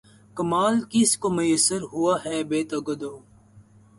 کمال کس کو میسر ہوا ہے بے تگ و دو